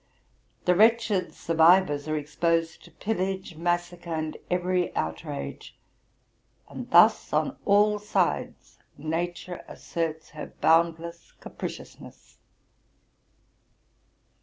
The wretched survivors are exposed to pillage, massacre, and every outrage ; and thus on all sides Nature asserts her boundless capriciousness.